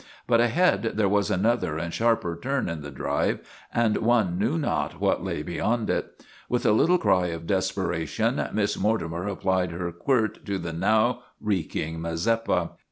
But ahead there was another and sharper turn in the drive and one knew not what lay beyond it. With a little cry of desperation Miss Mortimer applied her quirt to the now reeking Mazeppa.